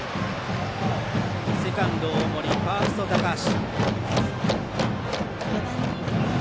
セカンド大森、ファースト高橋。